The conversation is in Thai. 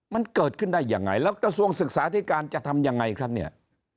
มันเกิดขึ้นได้ยังไงแล้วกระทรวงศึกษาธิการจะทำยังไงครับเนี่ย